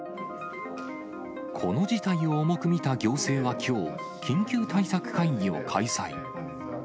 この事態を重く見た行政はきょう、緊急対策会議を開催。